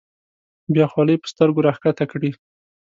بیا خولۍ په سترګو راښکته کړي.